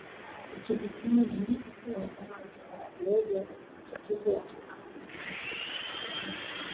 utegemeaji wa dawa ya kulevya matatizo ya kiafya na mahitaji ya kijamii